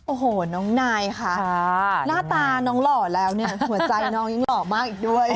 โอ้โหน้องนายค่ะหน้าตาน้องหล่อแล้วเนี่ยหัวใจน้องยังหล่อมากอีกด้วย